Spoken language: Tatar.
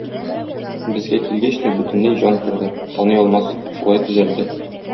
Безгә килгәч тә бөтенләй җан керде, таный алмассың, шулай төзәлде...